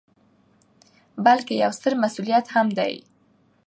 ، بلکې یو ستر مسؤلیت هم دی